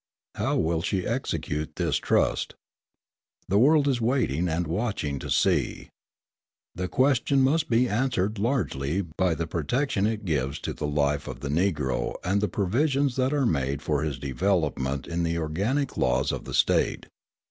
How will she execute this trust? The world is waiting and watching to see. The question must be answered largely by the protection it gives to the life of the Negro and the provisions that are made for his development in the organic laws of the State.